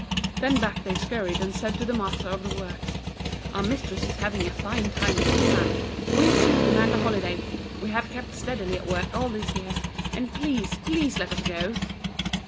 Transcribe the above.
Then back they scurried and said to the master of the works :" Our mistress is having a fine time in this sand. We, too, demand a holiday. We have kept steadily at work all these years, and please, please, let us go."